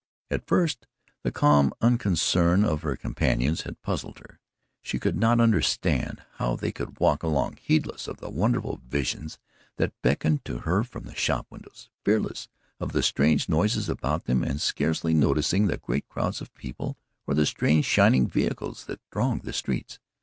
At first the calm unconcern of her companions had puzzled her. She could not understand how they could walk along, heedless of the wonderful visions that beckoned to her from the shop windows; fearless of the strange noises about them and scarcely noticing the great crowds of people, or the strange shining vehicles that thronged the streets.